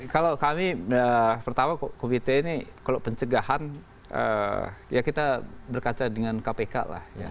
kalau kami pertama komite ini kalau pencegahan ya kita berkaca dengan kpk lah ya